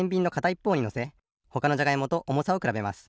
いっぽうにのせほかのじゃがいもとおもさをくらべます。